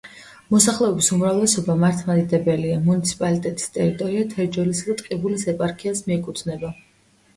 მოსახლეობის უმრავლესობა მართლმადიდებელია, მუნიციპალიტეტის ტერიტორია თერჯოლისა და ტყიბულის ეპარქიას მიეკუთვნება.